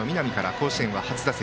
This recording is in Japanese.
甲子園は初打席。